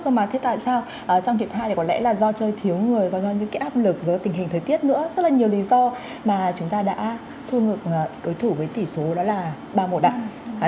mà thế tại sao trong hiệp hai thì có lẽ là do chơi thiếu người do những cái áp lực giữa tình hình thời tiết nữa rất là nhiều lý do mà chúng ta đã thua ngược đối thủ với tỷ số đó là ba một đạn